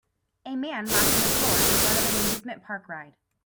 A man mopping the floor in front of an amusement park ride.